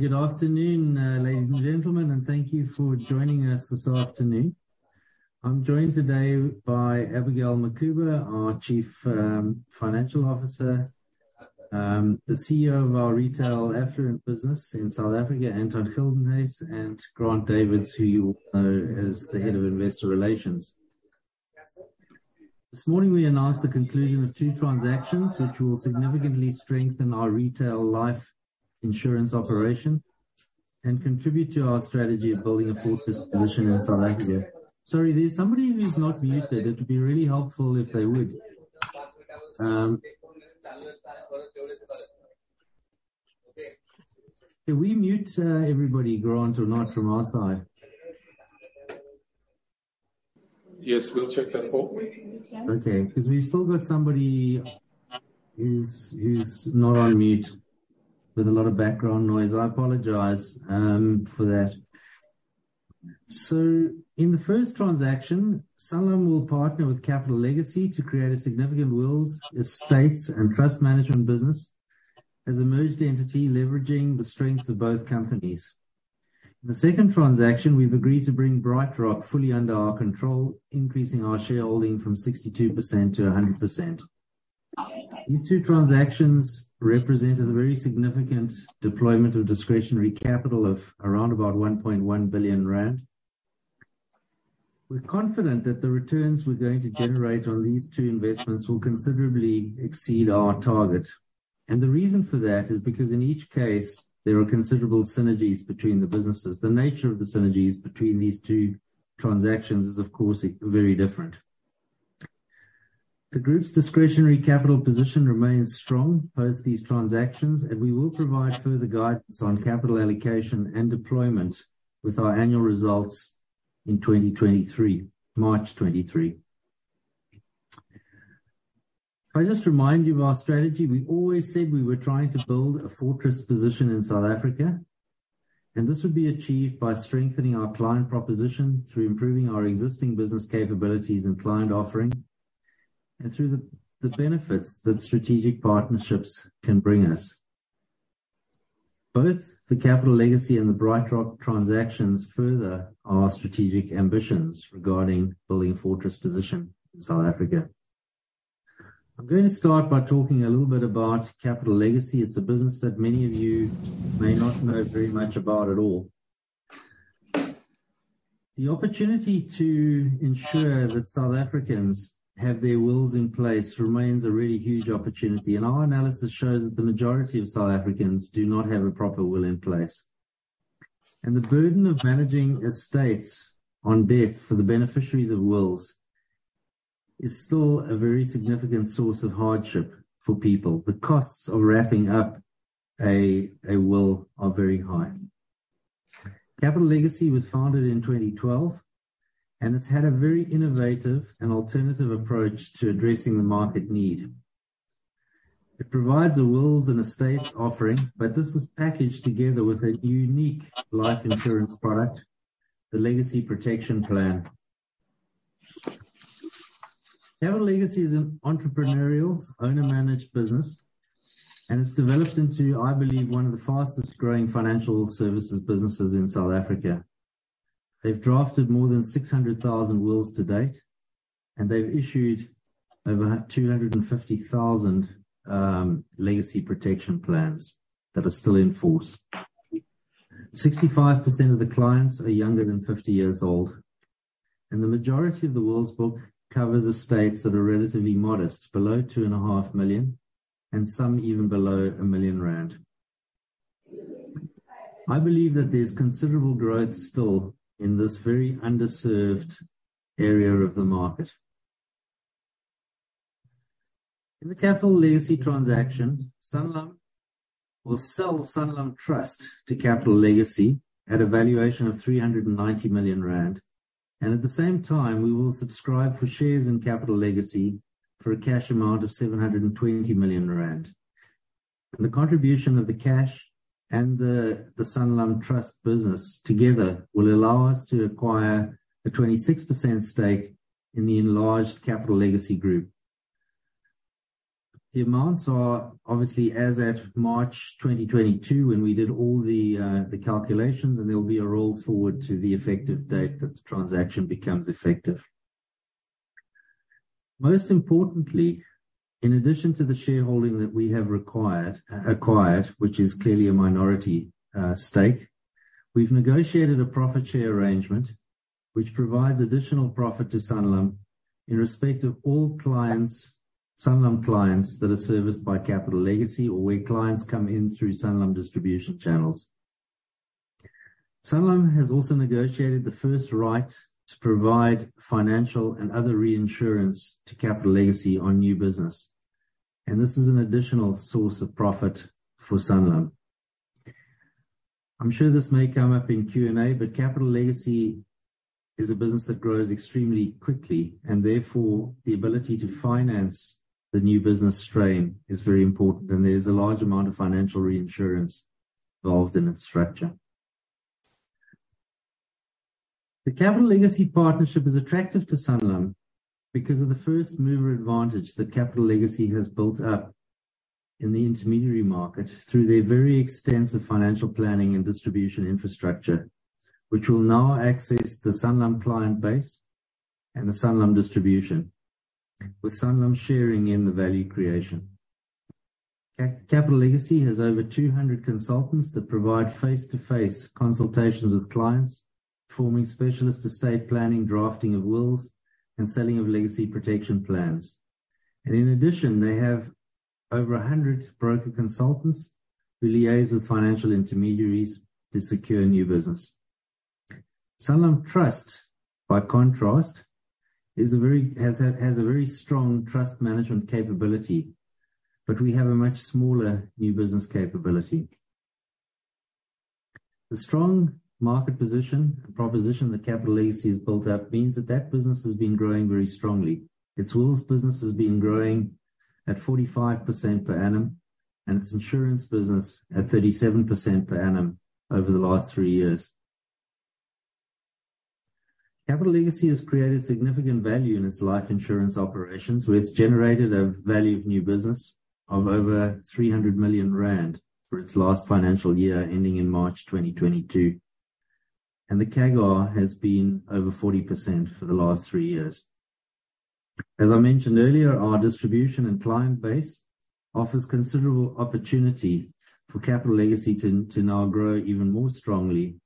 Good afternoon, ladies and gentlemen, and thank you for joining us this afternoon. I'm joined today by Abigail Mukhuba, our Chief Financial Officer, the CEO of our retail affluent business in South Africa, Anton Gildenhuys, and Grant Davies, who you all know is the Head of Investor Relations. This morning, we announced the conclusion of two transactions which will significantly strengthen our retail life insurance operation and contribute to our strategy of building a fortress position in South Africa. Sorry, there's somebody who's not muted. It would be really helpful if they would. Can we mute everybody, Grant, or not from our side? Yes, we'll check that for you. We've still got somebody who's not on mute with a lot of background noise. I apologize for that. In the first transaction, Sanlam will partner with Capital Legacy to create a significant wills, estates, and trust management business as a merged entity leveraging the strengths of both companies. In the second transaction, we've agreed to bring BrightRock fully under our control, increasing our shareholding from 62% to 100%. These two transactions represent a very significant deployment of discretionary capital of around about 1.1 billion rand. We're confident that the returns we're going to generate on these two investments will considerably exceed our target. The reason for that is because in each case, there are considerable synergies between the businesses. The nature of the synergies between these two transactions is, of course, very different. The group's discretionary capital position remains strong post these transactions. We will provide further guidance on capital allocation and deployment with our annual results in 2023, March 2023. Can I just remind you of our strategy? We always said we were trying to build a fortress position in South Africa. This would be achieved by strengthening our client proposition through improving our existing business capabilities and client offering and through the benefits that strategic partnerships can bring us. Both the Capital Legacy and the BrightRock transactions further our strategic ambitions regarding building a fortress position in South Africa. I'm going to start by talking a little bit about Capital Legacy. It's a business that many of you may not know very much about at all. The opportunity to ensure that South Africans have their wills in place remains a really huge opportunity. Our analysis shows that the majority of South Africans do not have a proper will in place. The burden of managing estates on death for the beneficiaries of wills is still a very significant source of hardship for people. The costs of wrapping up a will are very high. Capital Legacy was founded in 2012, it's had a very innovative and alternative approach to addressing the market need. It provides a wills and estates offering, but this is packaged together with a unique life insurance product, the Legacy Protection Plan. Capital Legacy is an entrepreneurial owner-managed business, it's developed into, I believe, one of the fastest-growing financial services businesses in South Africa. They've drafted more than 600,000 wills to date, they've issued over 250,000 Legacy Protection Plans that are still in force. 65% of the clients are younger than 50 years old, the majority of the wills book covers estates that are relatively modest, below two and a half million, and some even below 1 million rand. I believe that there's considerable growth still in this very underserved area of the market. In the Capital Legacy transaction, Sanlam will sell Sanlam Trust to Capital Legacy at a valuation of 390 million rand. At the same time, we will subscribe for shares in Capital Legacy for a cash amount of 720 million rand. The contribution of the cash and the Sanlam Trust business together will allow us to acquire a 26% stake in the enlarged Capital Legacy Group. The amounts are obviously as at March 2022 when we did all the calculations, there will be a roll forward to the effective date that the transaction becomes effective. Most importantly, in addition to the shareholding that we have acquired, which is clearly a minority stake, we've negotiated a profit-share arrangement which provides additional profit to Sanlam in respect of all clients, Sanlam clients, that are serviced by Capital Legacy or where clients come in through Sanlam distribution channels. Sanlam has also negotiated the first right to provide Financial Reinsurance and other reinsurance to Capital Legacy on new business. This is an additional source of profit for Sanlam. I'm sure this may come up in Q&A, Capital Legacy is a business that grows extremely quickly and therefore, the ability to finance the new business strain is very important, there's a large amount of Financial Reinsurance involved in its structure. The Capital Legacy partnership is attractive to Sanlam because of the first-mover advantage that Capital Legacy has built up in the intermediary market through their very extensive financial planning and distribution infrastructure, which will now access the Sanlam client base and the Sanlam distribution, with Sanlam sharing in the value creation. Capital Legacy has over 200 consultants that provide face-to-face consultations with clients, forming specialist estate planning, drafting of wills and selling of Legacy Protection Plans. In addition, they have over 100 broker consultants who liaise with financial intermediaries to secure new business. Sanlam Trust, by contrast, has a very strong trust management capability, we have a much smaller new business capability. The strong market position and proposition that Capital Legacy has built up means that that business has been growing very strongly. Its wills business has been growing at 45% per annum, and its insurance business at 37% per annum over the last 3 years. Capital Legacy has created significant value in its life insurance operations, where it's generated a Value of New Business of over 300 million rand for its last financial year ending in March 2022. The CAGR has been over 40% for the last 3 years. As I mentioned earlier, our distribution and client base offers considerable opportunity for Capital Legacy to now grow even more strongly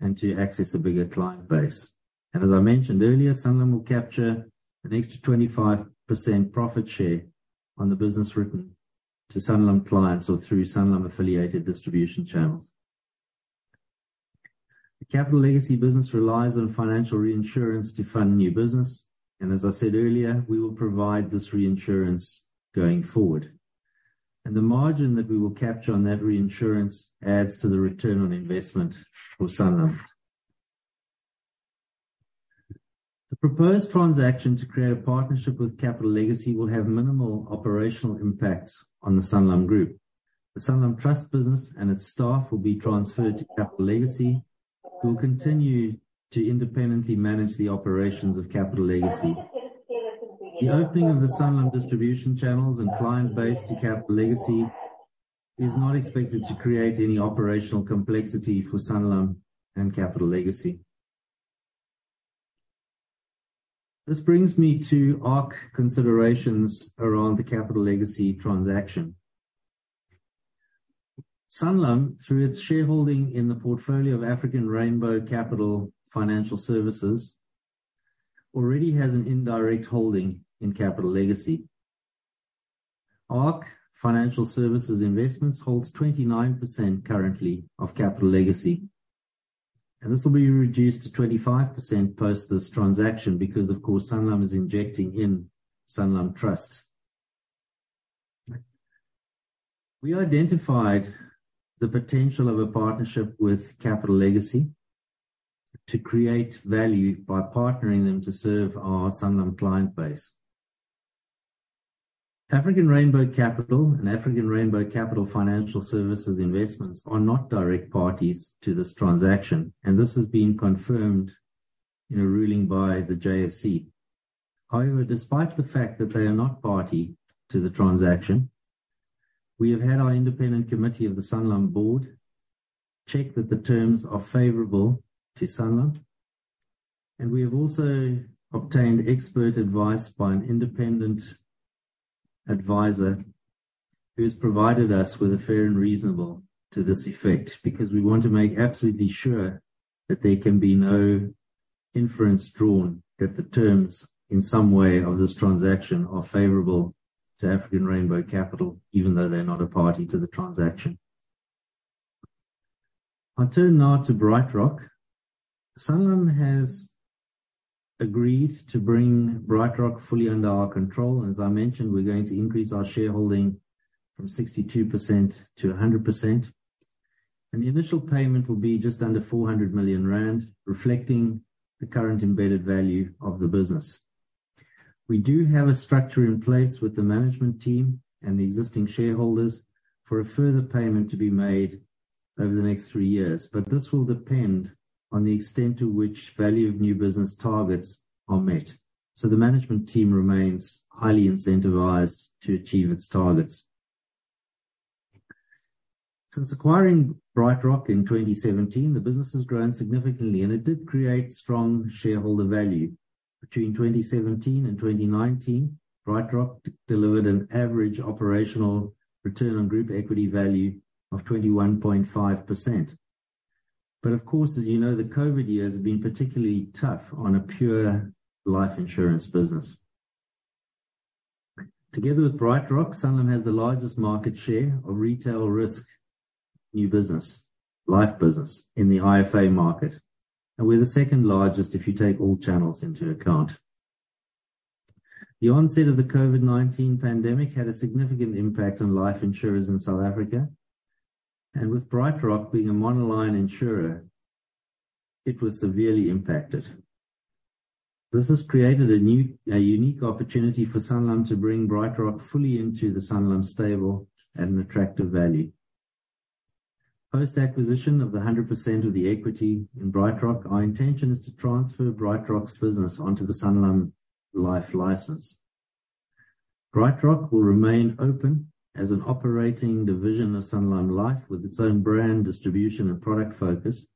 and to access a bigger client base. As I mentioned earlier, Sanlam will capture an extra 25% profit share on the business written to Sanlam clients or through Sanlam affiliated distribution channels. The Capital Legacy business relies on Financial Reinsurance to fund new business. As I said earlier, we will provide this reinsurance going forward. The margin that we will capture on that reinsurance adds to the return on investment for Sanlam. The proposed transaction to create a partnership with Capital Legacy will have minimal operational impacts on the Sanlam Group. The Sanlam Trust business and its staff will be transferred to Capital Legacy, who will continue to independently manage the operations of Capital Legacy. The opening of the Sanlam distribution channels and client base to Capital Legacy is not expected to create any operational complexity for Sanlam and Capital Legacy. This brings me to ARC considerations around the Capital Legacy transaction. Sanlam, through its shareholding in the portfolio of African Rainbow Capital Financial Services, already has an indirect holding in Capital Legacy. ARC Financial Services Investments holds 29% currently of Capital Legacy, and this will be reduced to 25% post this transaction because, of course, Sanlam is injecting in Sanlam Trust. We identified the potential of a partnership with Capital Legacy to create value by partnering them to serve our Sanlam client base. African Rainbow Capital and African Rainbow Capital Financial Services Investments are not direct parties to this transaction, and this has been confirmed in a ruling by the JSE. However, despite the fact that they are not party to the transaction, we have had our independent committee of the Sanlam board check that the terms are favorable to Sanlam, and we have also obtained expert advice by an independent advisor who has provided us with a fair and reasonable to this effect because we want to make absolutely sure that there can be no inference drawn that the terms in some way of this transaction are favorable to African Rainbow Capital, even though they're not a party to the transaction. I turn now to BrightRock. Sanlam has agreed to bring BrightRock fully under our control. As I mentioned, we're going to increase our shareholding from 62% to 100%, and the initial payment will be just under 400 million rand, reflecting the current Embedded Value of the business. We do have a structure in place with the management team and the existing shareholders for a further payment to be made over the next 3 years, but this will depend on the extent to which Value of New Business targets are met. The management team remains highly incentivized to achieve its targets. Since acquiring BrightRock in 2017, the business has grown significantly, and it did create strong shareholder value. Between 2017 and 2019, BrightRock delivered an average operational Return on Group Equity Value of 21.5%. Of course, as you know, the COVID years have been particularly tough on a pure life insurance business. Together with BrightRock, Sanlam has the largest market share of retail risk new business, life business in the IFA market. We're the second largest if you take all channels into account. The onset of the COVID-19 pandemic had a significant impact on life insurers in South Africa. With BrightRock being a monoline insurer, it was severely impacted. This has created a unique opportunity for Sanlam to bring BrightRock fully into the Sanlam stable at an attractive value. Post-acquisition of the 100% of the equity in BrightRock, our intention is to transfer BrightRock's business onto the Sanlam Life license. BrightRock will remain open as an operating division of Sanlam Life with its own brand, distribution, and product focus.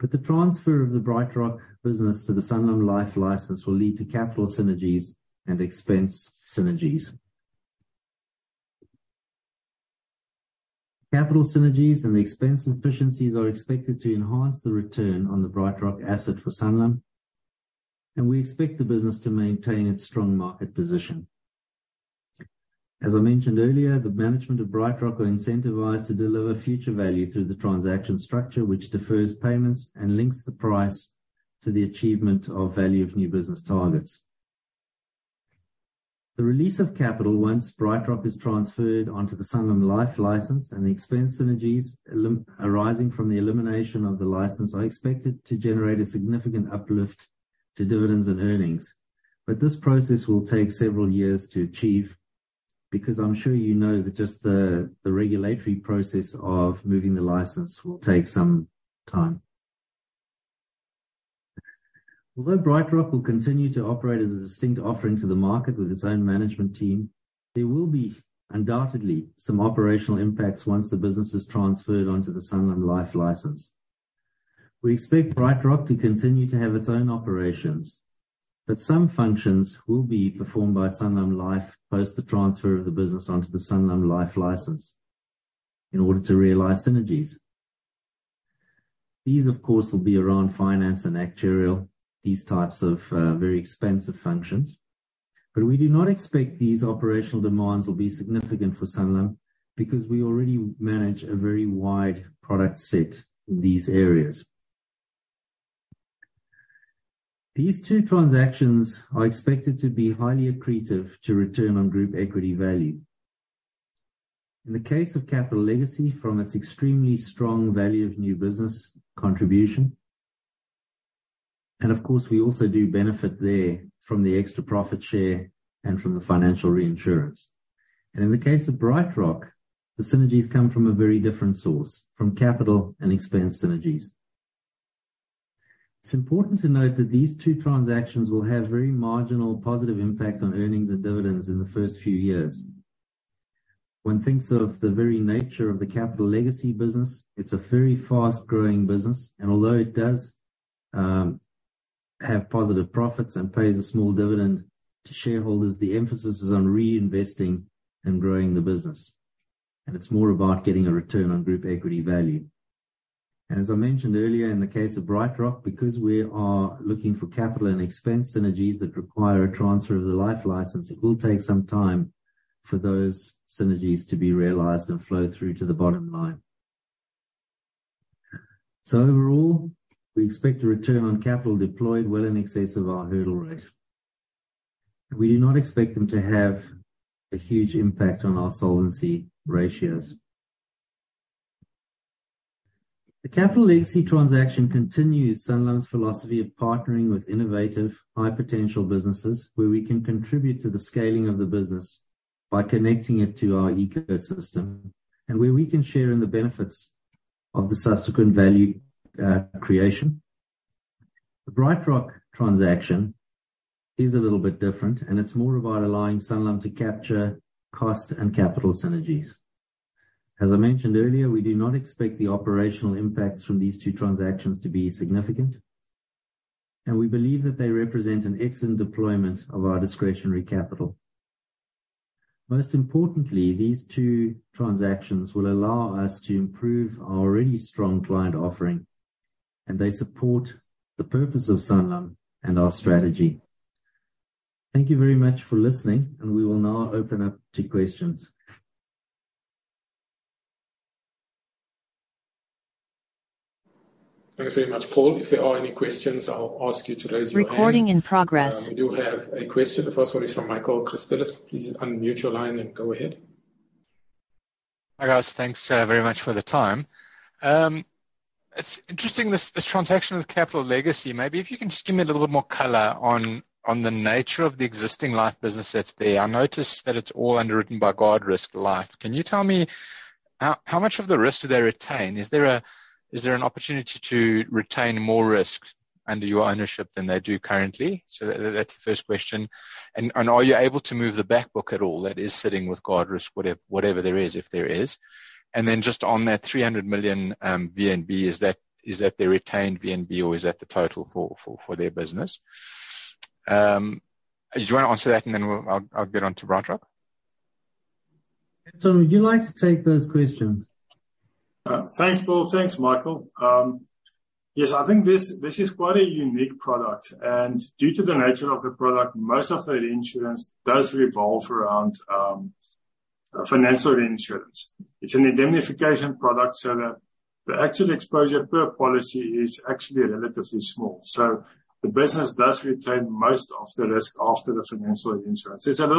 The transfer of the BrightRock business to the Sanlam Life license will lead to capital synergies and expense synergies. Capital synergies and the expense efficiencies are expected to enhance the return on the BrightRock asset for Sanlam. We expect the business to maintain its strong market position. As I mentioned earlier, the management of BrightRock are incentivized to deliver future value through the transaction structure, which defers payments and links the price to the achievement of Value of New Business targets. The release of capital once BrightRock is transferred onto the Sanlam Life license and the expense synergies arising from the elimination of the license are expected to generate a significant uplift to dividends and earnings. This process will take several years to achieve because I'm sure you know that just the regulatory process of moving the license will take some time. Although BrightRock will continue to operate as a distinct offering to the market with its own management team, there will be undoubtedly some operational impacts once the business is transferred onto the Sanlam Life license. We expect BrightRock to continue to have its own operations, some functions will be performed by Sanlam Life post the transfer of the business onto the Sanlam Life license in order to realize synergies. These, of course, will be around finance and actuarial, these types of very expensive functions. We do not expect these operational demands will be significant for Sanlam because we already manage a very wide product set in these areas. These two transactions are expected to be highly accretive to Return on Group Equity Value. In the case of Capital Legacy, from its extremely strong Value of New Business contribution, of course, we also do benefit there from the extra profit share and from the Financial Reinsurance. In the case of BrightRock, the synergies come from a very different source: from capital and expense synergies. It's important to note that these two transactions will have very marginal positive impact on earnings and dividends in the first few years. One thinks of the very nature of the Capital Legacy business. It's a very fast-growing business. Although it does have positive profits and pays a small dividend to shareholders, the emphasis is on reinvesting and growing the business. It's more about getting a Return on Group Equity Value. As I mentioned earlier, in the case of BrightRock, because we are looking for capital and expense synergies that require a transfer of the life license, it will take some time for those synergies to be realized and flow through to the bottom line. Overall, we expect a return on capital deployed well in excess of our hurdle rate. We do not expect them to have a huge impact on our solvency ratios. The Capital Legacy transaction continues Sanlam's philosophy of partnering with innovative, high-potential businesses where we can contribute to the scaling of the business by connecting it to our ecosystem and where we can share in the benefits of the subsequent value creation. The BrightRock transaction is a little bit different, it's more about allowing Sanlam to capture cost and capital synergies. As I mentioned earlier, we do not expect the operational impacts from these two transactions to be significant, we believe that they represent an excellent deployment of our discretionary capital. Most importantly, these two transactions will allow us to improve our already strong client offering, they support the purpose of Sanlam and our strategy. Thank you very much for listening, we will now open up to questions. Thanks very much, Paul. If there are any questions, I'll ask you to raise your hand. Recording in progress. We do have a question. The first one is from Michael Christelis. Please unmute your line and go ahead. Hi, guys. Thanks very much for the time. It's interesting, this transaction with Capital Legacy. Maybe if you can just give me a little bit more color on the nature of the existing life business that's there. I noticed that it's all underwritten by Guardrisk Life. Can you tell me how much of the risk do they retain? Is there an opportunity to retain more risk under your ownership than they do currently? That's the first question. Are you able to move the back book at all that is sitting with Guardrisk, whatever there is, if there is? Just on that 300 million VNB, is that their retained VNB or is that the total for their business? Do you want to answer that and then I'll get on to BrightRock. Tom, would you like to take those questions? Thanks, Paul. Thanks, Michael. Yes, I think this is quite a unique product. Due to the nature of the product, most of the insurance does revolve around Financial Reinsurance. It's an indemnification product, the actual exposure per policy is actually relatively small. It's a little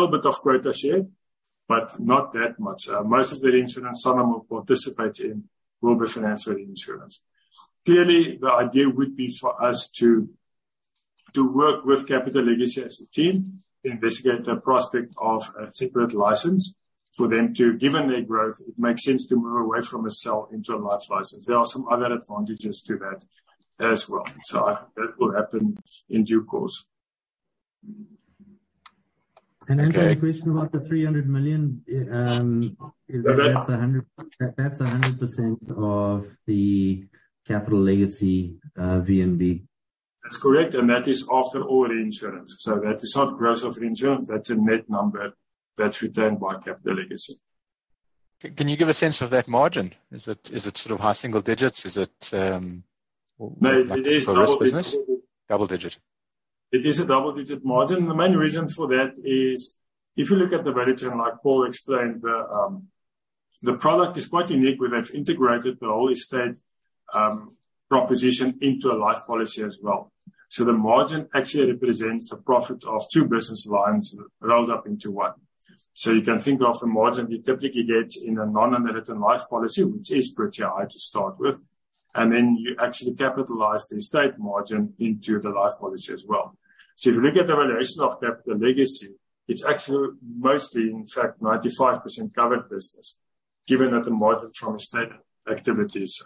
bit of Quota Share. Not that much. Most of the insurance Sanlam participates in will be Financial Reinsurance. Clearly, the idea would be for us to work with Capital Legacy as a team to investigate the prospect of a separate license for them too. Given their growth, it makes sense to move away from a cell into a life license. There are some other advantages to that as well. That will happen in due course. Can I ask you a question about the 300 million? Yes. That's 100% of the Capital Legacy VNB. That's correct. That is after all the insurance. That is not gross of insurance. That's a net number that's retained by Capital Legacy. Can you give a sense of that margin? Is it sort of high single digits? No, it is double digit double digit? It is a double-digit margin. The main reason for that is if you look at the value chain, like Paul explained, the product is quite unique. We have integrated the whole estate proposition into a life policy as well. The margin actually represents the profit of two business lines rolled up into one. You can think of the margin you typically get in a non-American life policy, which is pretty high to start with. Then you actually capitalize the estate margin into the life policy as well. If you look at the valuation of Capital Legacy, it's actually mostly, in fact, 95% covered business, given that the margin from estate activities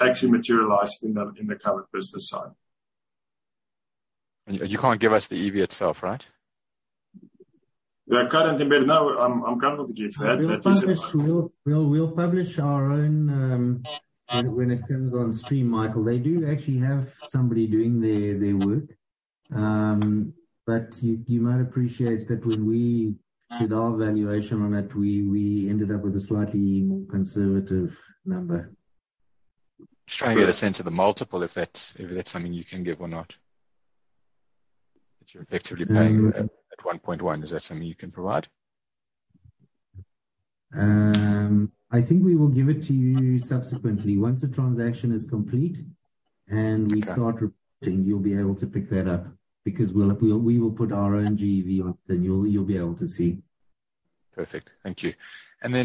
actually materialize in the covered business side. You can't give us the EV itself, right? Yeah. Currently, no. I'm comfortable to give that. We'll publish our own when it comes on stream, Michael. They do actually have somebody doing their work. You might appreciate that when we did our valuation on it, we ended up with a slightly more conservative number. Just trying to get a sense of the multiple, if that's something you can give or not. That you're effectively paying at 1.1. Is that something you can provide? I think we will give it to you subsequently. Once the transaction is complete and we start reporting, you'll be able to pick that up because we will put our own GEV up, then you'll be able to see. Perfect. Thank you.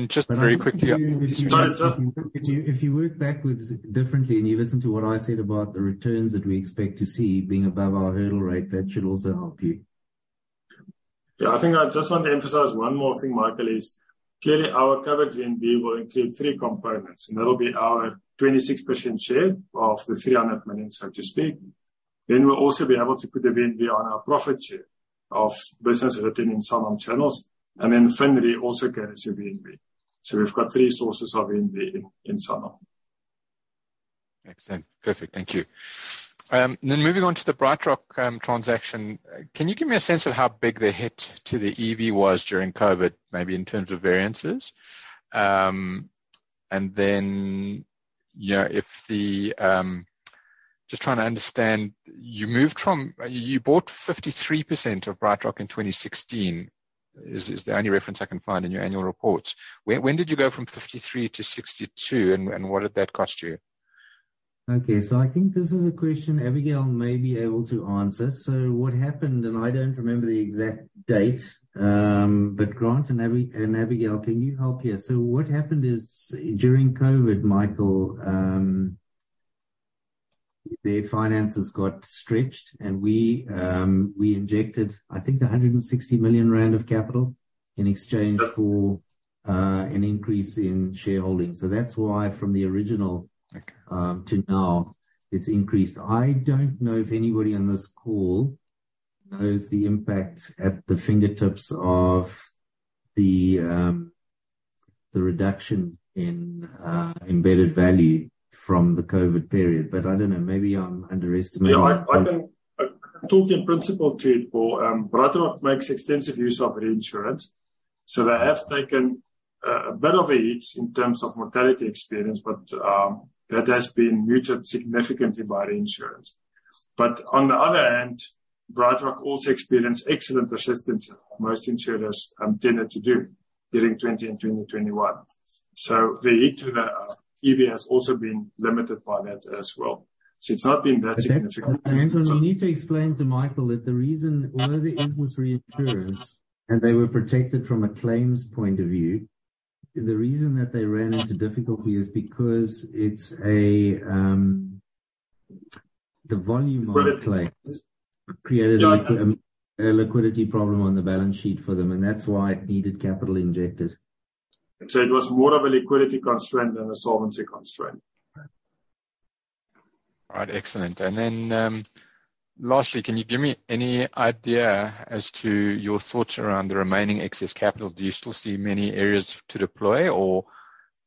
Just very quickly. If you work backwards differently, you listen to what I said about the returns that we expect to see being above our hurdle rate, that should also help you. Yeah. I think I just want to emphasize one more thing, Michael. Clearly, our covered VNB will include three components. That'll be our 26% share of the 300 million, so to speak. We'll also be able to put a VNB on our profit share of business written in Sanlam channels. Finally, also get us a VNB. We've got three sources of VNB in Sanlam. Excellent. Perfect. Thank you. Moving on to the BrightRock transaction, can you give me a sense of how big the hit to the EV was during COVID, maybe in terms of variances? Just trying to understand. You bought 53% of BrightRock in 2016, is the only reference I can find in your annual reports. When did you go from 53% to 62%, what did that cost you? Okay. I think this is a question Abigail Mukhuba may be able to answer. What happened, and I don't remember the exact date. Grant Davies and Abigail Mukhuba, can you help here? What happened is during COVID-19, Michael Christelis, their finances got stretched, and we injected, I think, 160 million rand of capital in exchange for an increase in shareholding. That's why from the original Okay to now, it's increased. I don't know if anybody on this call knows the impact at the fingertips of the reduction in Embedded Value from the COVID-19 period. I don't know. Maybe I'm underestimating. Yeah. I can talk in principle to it, Paul Hanratty. BrightRock makes extensive use of reinsurance, they have taken a bit of a hit in terms of mortality experience, that has been muted significantly by the insurance. On the other hand, BrightRock also experienced excellent persistence most insurers tended to do during 2020 and 2021. The hit to the EV has also been limited by that as well. It's not been that significant. Anton Gildenhuys, you need to explain to Michael Christelis that the reason, although the business reinsures and they were protected from a claims point of view. The reason that they ran into difficulty is because the volume of claims created a liquidity problem on the balance sheet for them, and that's why it needed capital injected. It was more of a liquidity constraint than a solvency constraint. All right. Excellent. Lastly, can you give me any idea as to your thoughts around the remaining excess capital? Do you still see many areas to deploy, or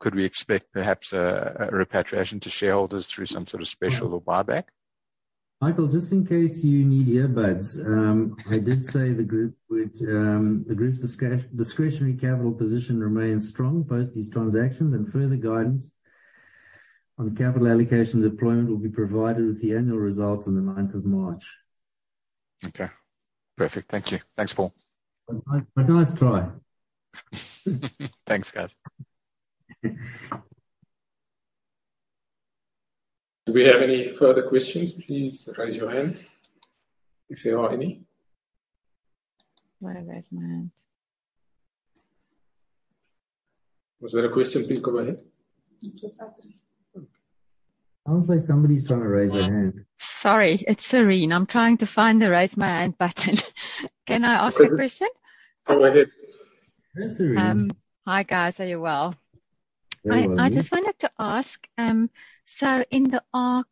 could we expect perhaps a repatriation to shareholders through some sort of special or buyback? Michael, just in case you need earbuds. I did say the group's discretionary capital position remains strong post these transactions. Further guidance on capital allocation deployment will be provided with the annual results on the 9th of March. Okay. Perfect. Thank you. Thanks, Paul. Nice try. Thanks, guys. Do we have any further questions? Please raise your hand if there are any. I'm going to raise my hand. Was that a question? Please go ahead. It was Patrick. Sounds like somebody's trying to raise their hand. Sorry, it's Serene. I'm trying to find the raise my hand button. Can I ask a question? Go ahead. Hi, Serene. Hi, guys. Are you well? Very well. I just wanted to ask, in the ARC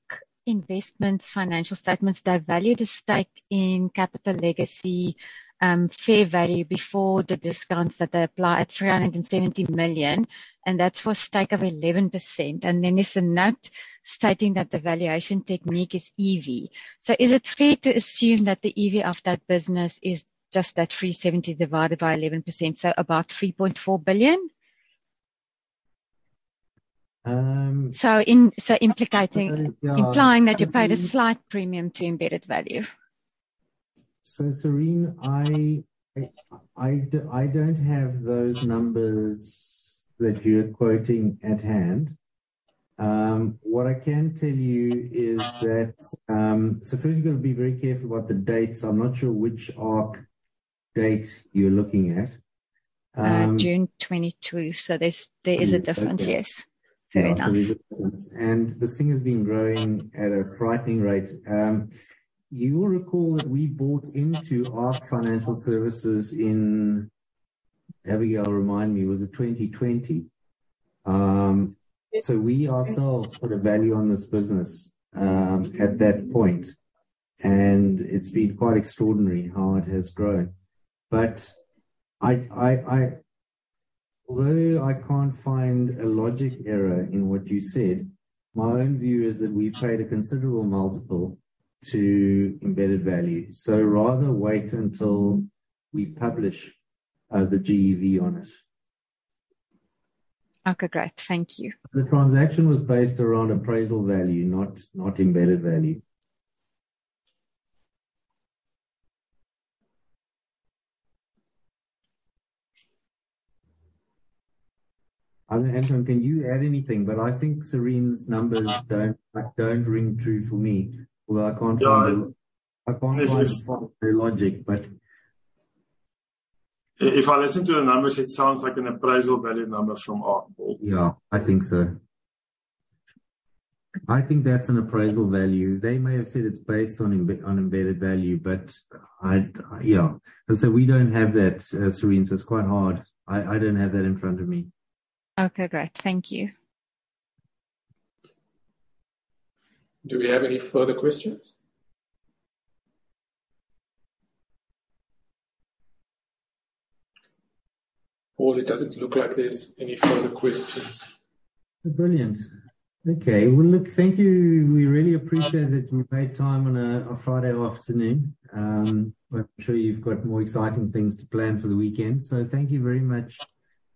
Investments financial statements, they value the stake in Capital Legacy fair value before the discounts that they apply at 370 million, and that's for stake of 11%. Then there's a note stating that the valuation technique is EV. Is it fair to assume that the EV of that business is just that 370 divided by 11%? About 3.4 billion? Um- Implying that you paid a slight premium to Embedded Value. Serene, I don't have those numbers that you're quoting at hand. What I can tell you is that, first you've got to be very careful about the dates. I'm not sure which ARC date you're looking at. June 2022. There's a difference, yes. Fair enough. There's a difference. This thing has been growing at a frightening rate. You will recall that we bought into ARC Financial Services in Abigail Mukhuba, remind me, was it 2020? We ourselves put a value on this business at that point, and it's been quite extraordinary how it has grown. Although I can't find a logic error in what you said, my own view is that we paid a considerable multiple to Embedded Value. Rather wait until we publish the GEV on it. Okay, great. Thank you. The transaction was based around Appraisal Value, not Embedded Value. Anton Gildenhuys, can you add anything? I think Serene's numbers don't ring true for me. Although I can't find- No. I can't find the logic but If I listen to the numbers, it sounds like an Appraisal Value numbers from ARC. Yeah, I think so. I think that's an Appraisal Value. They may have said it's based on Embedded Value. Yeah. We don't have that, Serene, so it's quite hard. I don't have that in front of me. Okay, great. Thank you. Do we have any further questions? Paul, it doesn't look like there's any further questions. Brilliant. Okay. Well, look, thank you. We really appreciate that you made time on a Friday afternoon. I'm sure you've got more exciting things to plan for the weekend, so thank you very much.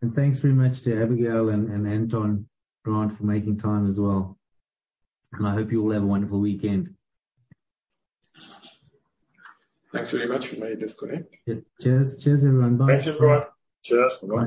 And thanks very much to Abigail and Anton, Grant, for making time as well. And I hope you all have a wonderful weekend. Thanks very much. You may disconnect. Yeah. Cheers. Cheers, everyone. Bye. Thanks, everyone. Cheers. Bye-bye.